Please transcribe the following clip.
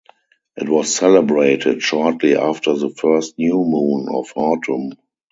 It was celebrated shortly after the first new moon of autumn.